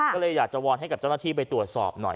ก็เลยอยากจะวอนให้กับเจ้าหน้าที่ไปตรวจสอบหน่อย